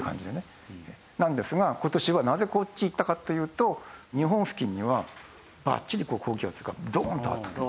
なんですが今年はなぜこっちへ行ったかというと日本付近にはバッチリ高気圧がドーンとあったと。